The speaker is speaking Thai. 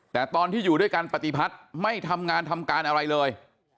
แต่ตอนที่อยู่ด้วยกันปฏิพัฒน์ไม่ทำงานทำการอะไรเลย